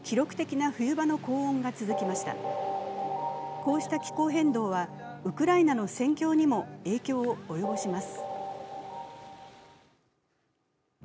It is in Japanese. こうした気候変動はウクライナの戦況にも影響を及ぼします。